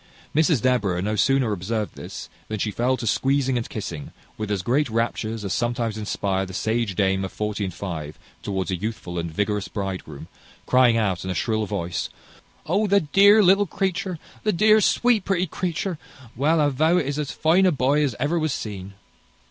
Mrs Deborah no sooner observed this than she fell to squeezing and kissing, with as great raptures as sometimes inspire the sage dame of forty and five towards a youthful and vigorous bridegroom, crying out, in a shrill voice, "O, the dear little creature! The dear, sweet, pretty creature! Well, I vow it is as fine a boy as ever was seen!"